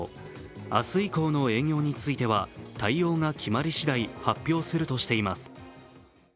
明日以降の営業については対応が決まりしだい発表するとしています。